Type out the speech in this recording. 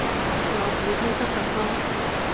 我整親膝頭哥